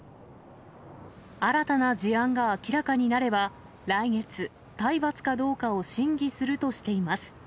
新たな事案が明らかになれば、来月、体罰かどうかを審議するとしています。